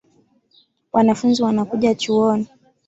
Wanafunzi wanakuja chuoni